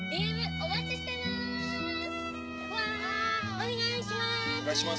お願いします。